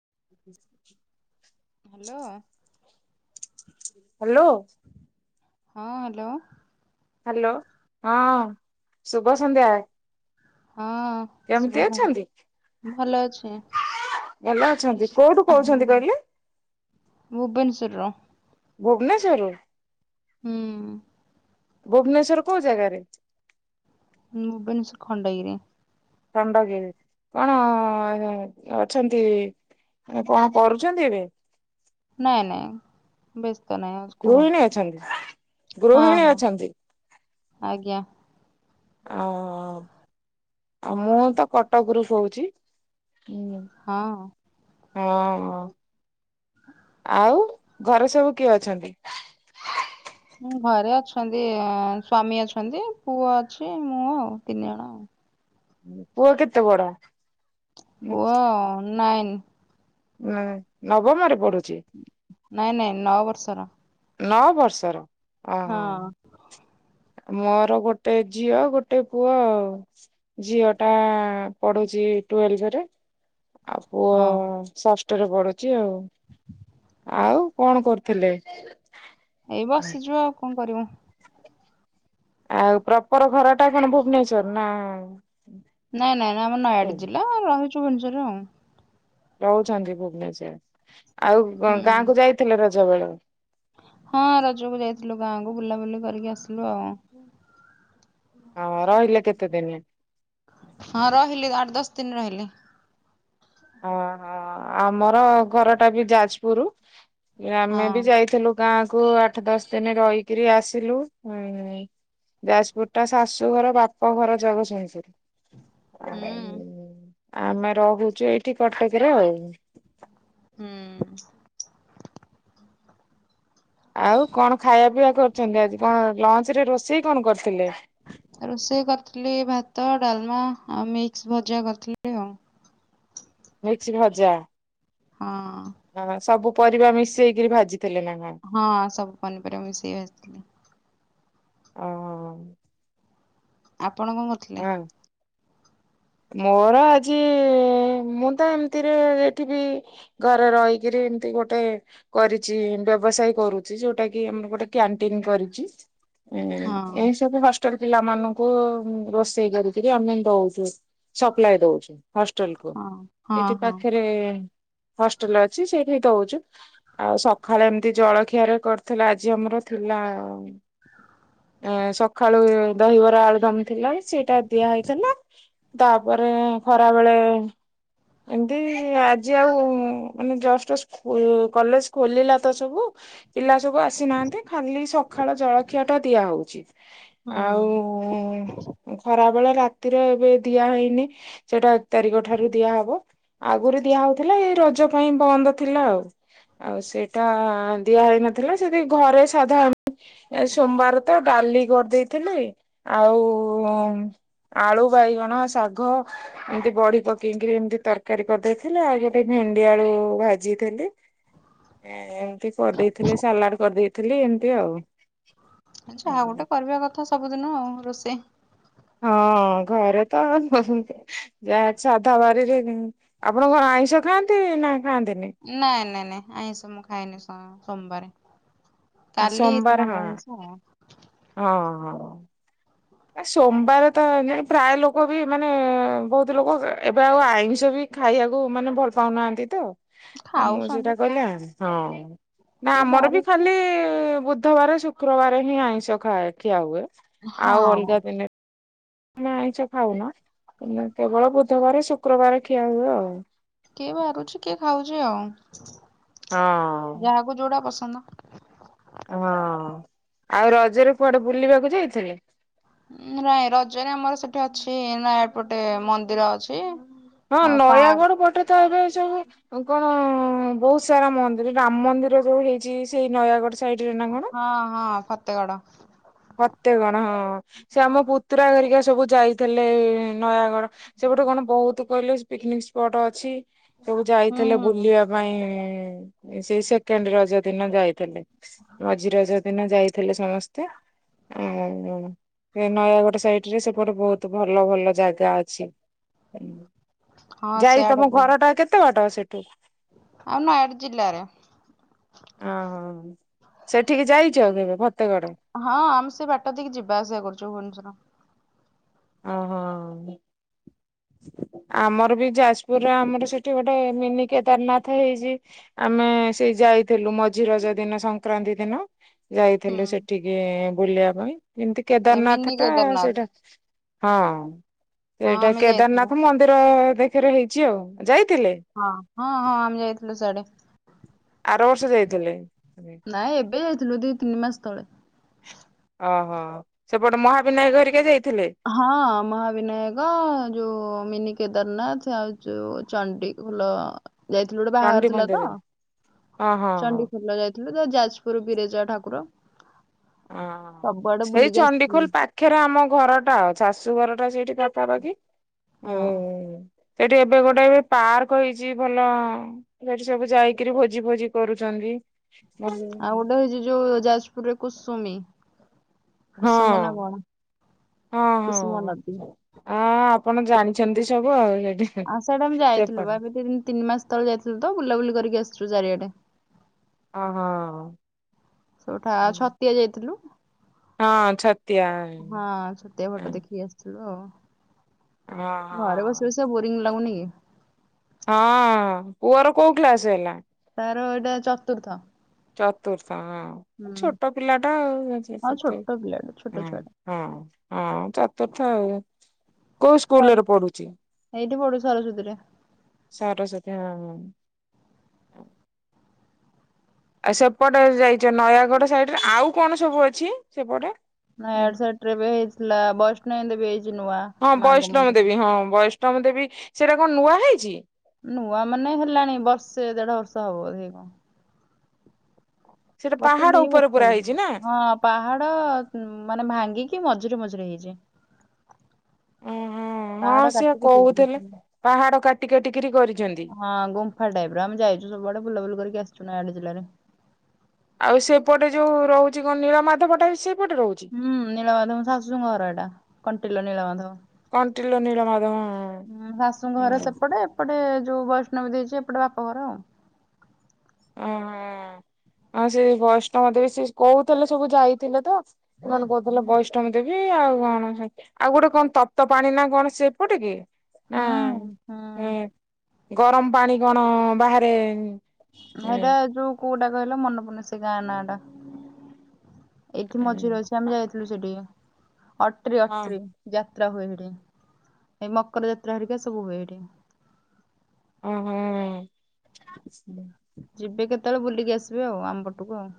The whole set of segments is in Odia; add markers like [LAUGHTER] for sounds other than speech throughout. [INAUDIBLE] ହାଲୋ। ହାଲୋ। ହଁ, ହାଲୋ। ହାଲୋ, ହଁ, ଶୁଭ ସନ୍ଧ୍ୟା। ହଁ, କେମିତି ଶୁଭ ସ ଅଛନ୍ତି? ଭଲ ଅଛି। ଭଲ ଅଛନ୍ତି? କୋଉଠୁ କହୁଛନ୍ତି କହିଲେ? [UNINTELLIGIBLE] ଭୁବନେଶ୍ୱରୁ ହୁଁ। ଭୁବନେଶ୍ଵର କୋଉ ଜାଗାରେ? ଭୁବନେଶ୍ୱର, ଖଣ୍ଡଗିରି। ଖଣ୍ଡଗିରି, କଣ ଅଛନ୍ତି, କଣ କରୁଛନ୍ତି ଏବେ? ନାଇଁ, ନାଇଁ, ବେଶୀ ଗୃହିଣୀ ଅଛନ୍ତି, ହଁ ଗୃହିଣୀ ହଁ ଅଛନ୍ତି। ଆଜ୍ଞା ଅ, ମୁଁ ତ କଟକରୁୁ କହୁଛି। ହୁଁ ହଁ। ହଁ। ଆଉ, ଘରେ ସବୁ କିଏ ଅଛନ୍ତି? ମୁଁ, ଘରେ ଅଛନ୍ତି, ସ୍ଵାମୀ ଅଛନ୍ତି, ପୁଅ ଅଛି, ମୁଁ ଆଉ ତିନି ଜଣ, ଆଉ ପୁଅ କେତେ ବଡ଼? ପୁଅ, ନାଇନ ହୁଁ, ନବମରେ ପଢୁଛି? ଯେ ନାଇଁ, ନାଇଁ, ନଅ ବର୍ଷର। ନଅ ବର୍ଷର? ଓ ହଁ ହୋ। ମୋର ଗୋଟେ ଝିଅ, ଗୋଟେ ପୁଅ ଆଉ ଝିଅ ଟା ପଢୁଛି ଟ୍ୱୱେଲଭ ରେ। ଆଉ ପୁଅ ହଁ। ଷଷ୍ଠ ତୋଠୁ ବଡ଼ ଚି ଆଉ ଆଉ। କଣ କରୁଥିଲେ? ଏଇ ବସିଚୁ ଆଉ କଣ କରିବୁ? ଆଉ ପ୍ରପର ଘର ଟା କଣ ଭୁବନେଶ୍ଵର ନା? ନାଇଁ ନାଇଁ ନାଇ ଆମର ନୟାଗଡ ଜିଲ୍ଲା ର। [UNINTELLIGIBLE] ରହୁ ଚାନ୍ଦି ଭୁବନେଶ୍ୱର। ଆଉ ହୁଁ ଗାଁକୁ ଯାଇଥିଲେ ରଜ? ଜବର। ହଁ ରଜକୁ ଯାଇଥିଲୁ ଗାଁକୁ ବୁଲାବୁଲି କରିକି ଆସିଲୁ ଆଉ। ହଁର ରଇଲେ କେତେ ଦିନି? ହଁ ରହିଲି ଆଠ ଦଶ। [UNINTELLIGIBLE] ଓହୋ, ଆମର ଘର ଟା ବି ଯାଜପୁରୁ। ହଁ ଆମେ ବି ଯାଇଥିଲୁ। ଗାଁ କୁ ଆଠ ଦଶ ଦିନ ରହିକିରି ଆସିଲୁ ଉ ଯାଜପୁର ଟା ଶାଶୁ ଘର ବାପ ଘର ଜଗତ୍ସିଂହପୁର୍। ହୁଁ ଆମେ ରହୁଛୁ ଏଇଠି। [UNINTELLIGIBLE] ଆଉ। ହୁଁ। ଆଉ କଣ ଖାଇବା ପିଇବା କରୁଛନ୍ତି, ଆଜି କଣ ଲଞ୍ଚ ରେ ରୋଷେଇ କଣ କରିଥିଲେ? ରୋଷେଇ କରିଥିଲି ଭାତ, ଡାଲମା ଆଉ ମିକ୍ସ ଭଜା କରିଥିଲି ଆଉ। ମିକ୍ସ ଭଜା। ହଁ ହଁ ସବୁ। ପରିବା ମିଶେଇକିରି ଭାଜି। ହଁ ସବୁ ପନିପରିବା ମିଶେଇକି ଭାଜିଥିଲି। ଅ। ଆପଣ କଣ କରୁଥିଲେ? ମୋର ଆଜି ମୁଁ ତ ଏମିତିରେ ଏଠି ବି ଘରେ ରହିକିରି ଏମତି ଗୋଟେ କରିଛି ବ୍ୟବସାୟ କରୁଛି, ଯୋଉଟା କି ଆମର ଗୋଟେ କ୍ୟାଣ୍ଟିନ କରିଛି। ହଁ ଏଇସବୁ। ଛ ପିଲାମାନାନଙ୍କୁ ରୋଷେଇ କରିକିରି ଆମେ ଦଉଛୁ। ସପ୍ଲାାଇ ଦଉ। ହଷ୍ଟେଲ କୁ, ହଁ ହଁ ଏଠି ହଁ। ପାଖରେ ହଷ୍ଟେଲ ଅଛି ଯେ। ଦଉଛୁ ଆଉ ସକାଳୁ ଏମିତି ଜଳଖିଆରେ କରୁଥିଲା ଆଜି ଆମର ଥିଲା ଏ ସକାଳୁ ଦହିବରା ଆଳୁ ଦମ। ଥିଲା, ସେଇଟା ଦିଆ ହେଇଥାନ୍ତା। ତାପରେ ଖରା ବେଳେ ଏମିତି ଆଜି ଆଉ ମାନେ ଜଷ୍ଟ ସ୍କୁଲ, କଲେଜ ଖୋଲିଲା ତ ସବୁ ପିଲା। ଆସିନାହାନ୍ତି ଖାଲି ସକାଳ ଜଳଖିଆ ଟା ଦିଆ ହଉଚି, ହୁଁ ଆଉ ଖରାପ। ବେଳେ ରାତିର ଏବେ। ଦିଆ ହେଇନି ସେଟା ଏକ ତାରିଖ ଠାରୁ ଦିଆହବ ଆଗରୁ ଦିଆ ହଉଥିଲା ଏଇ ରଜ ପାଇଁ ବନ୍ଦ ଥିଲା ଆଉ ଆଉ ସେଟା ଦିଆହେଇନଥିଲା ସେଠି ଘରେ ସାଧା ସୋମବାର ତ ଡାଲି କରିଦେଇଥିଲି ଆଉ ଆଳୁ ବାଇଗଣ। ଣ ଶାଗ ଏମତି ବଢି ପକେଇକିରି ଏମିତି ତରକାରୀ କରିଦେଇଥିଲି ଆଉ ଗୋଟେ ଭେଣ୍ଡି ଆଳୁ ଭାଜିଥିଲି ଏମତି କରିଦେଇଥିଲି ସାଲାଡ କରିଦେଇଥିଲି ଏମତି ଆଉ। ଆଚ୍ଛା ଆଉ ଗୋଟେ କରିବା କଥା ସବୁଦିନ ଆଉ। ରୋଷେଇ। ହଁ ଘରେ ତ ଯାହା ସାଧା ବାରିରେ ଆପଣଙ୍କ ଆଇଁଷ ଖାଆନ୍ତି ନା। ଖାଆନ୍ତିନି ନାଇଁ ନାଇଁ ନାଇଁ ଆଇଁସ ମୁଁ ଖାଏନି ସ-ସୋମବାରେ। କାଲି ହେଇଥିଲା ସୋମବାର ହଁ ଆମର ଆଇଁଷ। ହଁ ହଁ। ସୋମବାର ତ ପ୍ରାୟ ଲୋକ ବି ମାନେ ବହୁତ ଲୋକ ଏବେ ଆଉ ଆଇଁଷ ବି ଖାଇବାକୁ ମାନେ ଭଲ ପାଉନାହାନ୍ତି ତ। ମୁଁ ଖାଉଛନ୍ତି ସେଇଟା କହିଲା। ହଁ। ନା କିଏ ଆମର ବି ବାରୁଛି ଖାଲି ବୁ ବୁଧବାର ଶୁକ୍ରବାର ହିଁ ଆଇଁଷ ଖାଏ ଖିଆ ହୁଏ। ଆଉ ହଁ। ଅଲଗା ଦିନେ ଆମେ ଆଇଁଷ ଖାଉନା, ହେଲେ କେବଳ ବୁଧବାରେ ଶୁକ୍ରବାରେ ଖିଆ ହୁଏ ଆଉ। କିଏ ବାରୁଛି କିଏ ଖାଉଚି ଆଉ। ହଁ ଯାହାକୁ ଯୋଉଟା ପସ ସନ। ହଁ ଆଉ ରଜରେ କୁଆଡେ ବୁଲିବାକୁ ଯାଇଥିଲେ? ନାଇଁ ରଜରେ ଆମର ସେଠି ଅଛି ନା ଏପଟେ ମନ୍ଦିର ଅଛି। ହଁ ଆଉ ପାର୍କ ନୟାଗଡ ପଟେ ତ ଏବେ ସବୁ କ ହଁ ବହୁତ ସାରା ମନ୍ଦିର ରାମ ମନ୍ଦିର ଯୋଉ ହେଇଚି ସେଇ ନୟାଗଡ। ସାଇଡରେ ନା କଣ? ହଁ ହଁ ଫତେଗଡ଼। ଫତେଗଣ ହଁ ସେ ଆମ ପୁତୁରା ଘରିକା ସବୁ ଯାଇଥିଲେ। ନୟାଗଡ଼ ସେପଟେ କଣ ବହୁତ କହିଲେ। ପିକ୍ନିକ୍ ସ୍ପଟ ଅଛି। ସବୁ ଯାଇଥିଲେ ହୁଁ ବୁଲିବା ପାଇଁ। ସେଇ ସେକେଣ୍ଡ ରଜ ଦିନ ଯାଇଥିଲେ। ମଝି ରଜ ଦିନ ଯାଇଥିଲେ ସମସ୍ତେ। ଓ ସେ ନୟାଗଡ ସାଇଟ ରେ ସେପଟେ ବହୁତ ଭଲ ଭଲ ଜାଗା ଅଛି। ହଁ ଯାଇ ସେଆଡେ ତମ ବହୁ ଘର ଟା କେତେ ବାଟ ସ ସେଠୁ। ଆଉ ନୟାଗଡ଼ ଜିଲ୍ଲାରେ ଓହୋ। ସେଠିକି ଯାଇଚ କେବେ ଫତ ହଁ ଆମସେ ବା ତ ଟିକି ଯିବା ଆସିବା କରୁଚୁ ଭୁବନେଶ୍ୱର। ଓ ହୋ। ଆମର ବି ଯାଜପୁରରେ ଆମର ସେଠି ଗୋଟେ ମିନି କେଦାରନାଥ ହେଇଚି, ଆମେ ସେଇ ଯାଇଥିଲୁ ମଝି ରଜ ଦିନ ସଂକ୍ରାନ୍ତି ଦିନ। ହୁଁ ଯାଇଥିଲୁ ସେଠିକି। ବୁଲିବା ପାଇଁ। ଏମିତି ଏ କେଦାରନାଥ ମିନି ଟା କେଦାରନାଥ ସେଇଟା ହଁ ହଁ ସେଇଟା। ଆମେ ଯାଇଥିଲୁ। କେଦାରନାଥ ମନ୍ଦିର। ଦେଖରେ ହେଇଚି ଆଉ ଯାଇ ହଁ ହଁ ହଁ ଆମ ଯାଇଥିଲୁ ସାଡେ ଆର ବର୍ଷ ଯାଇଥିଲି। ନାଇଁ ଏବେ ଯାଇଥିଲୁ ଦି ତିନି ମାସ ତଳେ ଓହୋ ସେପଟେ ମହାବିନାୟକ ଘରିକେ ଯାଇ ହଁ ମହାବିନାୟକ ଯଉ ମିନି କେ କେଦାରନାଥ ଆଉ ଯୋଉ ଚଣ୍ଡୀଖୋଲ। ଯାଇଥିଲୁ ଗୋଟେ ଚଣ୍ଡି ବାହାଘର ଥିଲା ମନ୍ଦିର ତ- ହଁ ହଁ ହଁ। ଚଣ୍ଡିଖୋଲ ଯାଜପୁର ବିରେଜା ଠାକୁର। ହ ସବୁଆଡେ ସେଇ ବୁଲିକି ଆସିଥିଲୁ ଚଣ୍ଡିଖୋଲ ପାଖରେ ଆମ ଘର ଟା ଆଉ ଶାଶୁ ଘର ଟା ସେଇଠି ପାଖ ପାର କି ହଁ ହୁ ସେଠି ଏବେ ଗୋଟେ ଏବେ ପାର୍କ ହେଇଛି ଭଲ ସେଠି ସବୁ ଯାଇକିରି ଭୋଜି ଭୋଜି କରୁଚନ୍ତି। ଆଉ ଗୋଟେ ହେଇଛି ଯୋଉ ଯାଜପୁରରେ କ ସୁମି। ହଁ ହଁ କୁସୁମ ହଁ ନଦୀ ଆ ଆପଣ ଜାଣିଛନ୍ତି ସବୁ ଆଉ ହଁ ସେଇଟାମେ ଯାଇଥିଲୁ ସେପଟେ ଏବେ ତିନି ମାସ ତଳେ ଯାଇଥିଲୁ ତ ବୁଲାବୁଲି କରିକି ଆସିଲୁ। ଚାରିଆଡେ। ହ ହଁ। ସେଇଠୁ ଛତିଆ ଯାଇଥିଲୁ। ହଁ ଛ। ହଁ ଛତିଆଭଟଦେଖିକି ଆସିଥିଲୁ ଆଉ। ଘରେ ବସି ହଁ। ବସିକା ବୋରୀଙ୍ଗ ଲାଗୁନି କି? ହଁ ପୁଅର କୋଉ କ୍ଲାସ ହେଲା। ତାର ଏଇଟା ଚତୁର୍ଥ। ଚତୁର୍ ହଁ ହୁଁ। ଛୋଟ ପିଲାଟା ଆଉ ଅଛି ହଁ ସେଥିଁ ଛୋଟ ପିଲାଟେ ଛୋଟ ହଁ ଛୁଆଟେ ହଁ ହଁ ଚ ତଥା ଆଉ। କୋଉ ସର ସ୍କୁଲରେ ପଢୁଛି ଏଇଠି ପଢୁଛି ସରସ୍ୱତୀରେ ସରସଥିୀ ହଁ ହଁ [INAUDIBLE] ଆଉ ସେପଟେ ଯାଇଛ ନୟାଗଡ ସାଇଡରେ ଆଉ କଣ ସବୁ ଅଛି ସେପଟେ ନୟଗଡ ସେଟ ରେ ବି ହେଇଥିଲା ବୈଷ୍ଣଇଦବି ହେଇଛି ନୂଆ ମାଙ୍କ ମନ୍ଦିର। ଷ୍ଟମ ଦେବି ସେଇଟା କଣ ନୂଆ ହେଇଛି। ନୂଆ ମାନେ ହେଲାଣି ବର୍ଷେ ଦେଢ ବର୍ଷ ହବଧ କଣ? ସେଇଟା ବର୍ଷେ ପାହାଡ ଦି ଉପରେ ବର୍ଷ ପୁରା ହେଇଛି ନା ହେଇଯିବ ହଁ ପାହାଡ ମାନେ ଭାଙ୍ଗିକି ମଝିରେ ମଝିରେ ହେଇଚି। [INAUDIBLE] ଓହୋ ହଁ ପାହାଡା ସିଏ କାଟିକି ତିଆରି କହୁଥିଲେ। କରିଛନ୍ତି। ପାହାଡ କାଟି କାଟିକିରି କରିଛନ୍ତି। [INAUDIBLE] ହଁ ଗୁମ୍ଫା ଟାଇପ ର ଆମେ ଯାଇଛୁ ସବୁଆଡେ ବୁଲବୁଲି କରି ଆସିଛୁ ନା ଆଡୁ ଜିଲ୍ଲାରେ। ଆଉ ସେପଟେ ଯୋଉ ରହୁଛି କ ନୀଳମାଧବଟା ବି ସେ ହୁଁ ନଳିମାଧବ ଶାଶୁଙ୍କ ଘର ଏଇଟା। କଣ୍ଟିିଲୋ ନୀଳମାଧବ। କଣ୍ଟିଲ ନୀଳ ମାଧବ ହୁଁ ଶାଶୁଙ୍କ ହଁ ଘର ହୁଁ। ସେପଟେ ଏପଟେ ଯୋଉ ବୈଷ୍ଣବୀ ଦେଇଛି ଏପଟେ ବାପଘର ଆଉ। ଉଁହୁଁ ହଁ ସେ ବୈଷ୍ଣବ ଦେବ ସେ କହୁଥିଲେ ସବୁ ଯାଇଥିଲେ ତ। ସେମାନେ କହୁଥିଲେ ବୈଷ୍ଠମୀ ଦେବି ଏଇ ଆଉ କଣ ଆଉ ଗୋଟେ କଣ ତପ୍ତ ପାଣି ନା କଣ ସେପଟେ କି? ନାଇ ହୁଁ ହୁଁ। ହୁଁ। ଗରମ ପାଣି କଣ ବାହାରେ ଏଇଟା ଯୋଉ କଉଟା କହିଲ ମନେ ପଡୁନି ସେ ଗାଆଁ ନାଆଁ ଟା। [INAUDIBLE] ଏଠି ମଜୁର ହଁ ଅଛି ଆମେ ଯାଇ ସେଠୀ ଅଟ୍ରି ଅଟ୍ରି ଯା ଯାତ୍ରା ହୁଏ ହେଟି। ଏ ମକର ଯାତ୍ରା ହେରିକା ସବୁ ହୁଏ ହେଟି। ଉଁ ହୁଁ। ଯିବେ କେତେବେଳେ ବୁଲିକି ଆସିବେ ଆଉ ଆମ ପଟକୁ ଆଉ।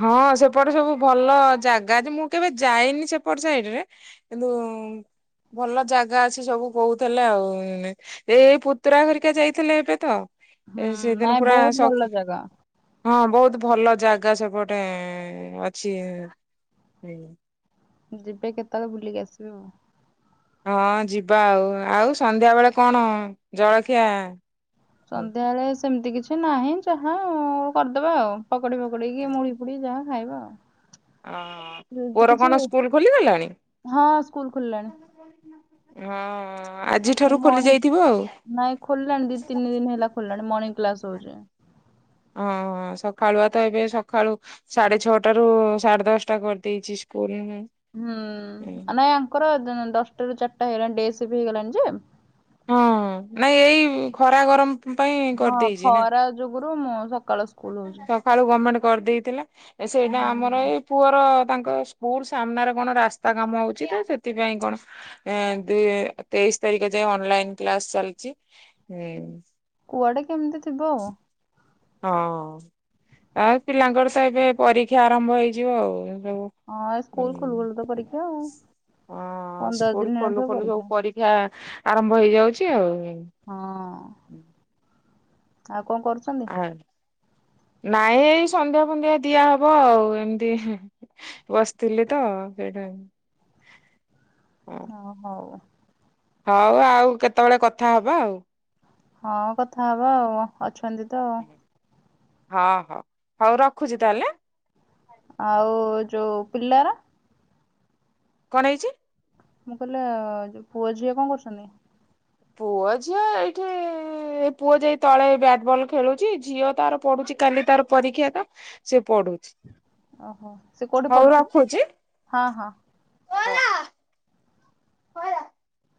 ହଁ ସେପଟ ସବୁ ଭଲ ଜାଗା ଯେ ମୁଁ କେବେ ଯାଇନି ସେପଟ ସାଇଡରେ। କିନ୍ତୁ ଭଲ ଜାଗା ଅଛି ସବୁ କହୁଥିଲେ ଆଉ ଏଇ ପୁତୁରା ଘରିକା ଯାଇଥିଲେ ଏବେ ତ? ହୁଁ ସେଦିନ ନାଇଁ ପୁରା ବହୁତ ସ ଭଲ ଜାଗା। [INAUDIBLE] ହଁ ବହୁତ ଭଲ ଜା ଗା ସେପଟେ ଏ ଅଛି ହୁଁ। ଯିବେ କେ ତାହେଲେ ବୁଲିକି ଆସିବି ଆଉ। ହଁ ଯିବା ଆଉ, ଆଉ ସନ୍ଧ୍ୟା ବେଳେ କଣ ଜଳଖିଆ? ହଁ ସଂଧ୳୲ ବେଳେ ସେମିତି କିଛି ନାହିଁ, ଯାହା କରିଦେବା ଆଉ। ପକୋଡ଼ି ଫକୋଡ଼ି କି ମୁଡି ଫୁଡି ଯାହା। ଖାଇବ ଆଉ। ଯେମିତି ପୁଅର କିଛି କଣ ସ୍କୁଲ ଖୋଲିଗଲାଣି ହଁ ସ୍କୁଲ ଖୋଲିଲାଣି [INAUDIBLE] ହଁ। ଆଜିଠାରୁ ଖୋଲି ମର୍ନିଂ ଯାଇଥିବ ଆଉ। ନାଇଁ ଖୋଲିଲାଣି ଦି ତିନି ଦିନ ହେଲା ଖୋଲିଲାଣି। ମର୍ନିଂ କ୍ଲାସ୍ ହଉଚି। ହଁ ହଁ ସକାଳୁଆ ତ ଏବେ ସ ସକାଳୁ, ସାଢେ ଛଅଟା ରୁ ସାଢେ ଦଶଟା କରିଦେଇଛି ସ୍କୁଲ ହମ୍ ହଁ। ହୁଁ ନାଇଁ ଆଙ୍କର ହଁ ଦଶଟା ରୁ ଚାରିଟା ହେଇଗଲାଣି, ଡେ ସିଫ୍ଟ ହେଇଗଲାଣି ଯେ। ହଁ, ନାଇଁ ଏଇ ଖରା ଗରମ। ପାଇଁ ହଁ କରିଦେଇଛି ନା। ଖରା ଯୁଗୁରୁ ମୁଁ ସତ ସକାଳୁ ଗମେଣ୍ଟ କରିଦେଇଥିଲା। ସେଇଟା ଆମର ହୁଁ ଏଇ ପୁଅର ତାଙ୍କ ସ୍କୁଲ ସାମ୍ନାରେ କଣ ରାସ୍ତା କାମ ହଉଛି ତ ସେଥିପାଇଁ କଣ, ଏ ଦ ତେଇଶି ତାରିଖ ଯାଏ, ଅନଲାଇନ କ୍ଲାସ ଚାଲିଛିଁ। କୁଆଡେ କେମିତି ଥିବ ଆଉ। ହଁ ଆଉ ପିଲାଙ୍କର ତ ଏବେ ପରୀକ୍ଷା ଆରମ୍ଭ ହେଇଯିବ ଆଉ। ହଁ ହଁ ଏ ସ୍କୁଲ ଖୋଲୁ ଖୋଲୁ ତ ପରୀକ୍ଷା ଆଉ ହଁ ପନ୍ଦର ଦିନ ସ୍କୁଲ ଖୋଲୁ ହେଇନଥିବ ଖୋଲୁ ସବୁ ପରୀକ୍ଷା। ଆରମ୍ଭ ହେଇଯାଉଛି ଆଉ। ହଁ-ଅ -ଅ ତାପ୍ କଣ କରୁଛନ୍ତି? ଆ ନାଇଁ ଏଇ ସନ୍ଧ୍ୟା ଫନ୍ଦ୍ୟା ଦିଆହବ ଆଉ ଏମିତି ବସିଥିଲି ତ, ସେଇଟା। ହଁ ହଉ। ହଉ ଆଉ କେତେବେଳେ କଥା ହବା ଆଉ। ହଁ କଥା ହବା ଆଉ। ଅଛନ୍ତି ତ। ହଁ ହଉ, ହଉ ରଖୁଛି ତାହେଲେ। ଆଉ ଯୋଉ ପିଲାର? କଣ ହେଇଛି? ମୁଁ କହିଲେ ପୁଅ ଝିଅ କଣ କରୁଛନ୍ତି। ପୁଅ ଝିଅ ଏଇଠି ଏ ପୁଅ ଯାଇ ତଳେ ବ୍ୟାଟବଲ ଖେଳୁଛି ଝିଅ ତାର ପଢୁଛି କାଲି ତାର ପରୀକ୍ଷା ତ ସେ ପଢୁଛି। ଓହୋ ସେ କୋଉଠି ହଉ ପଢୁଛି ରଖୁଛି। ହଁ ହଁ। ହ।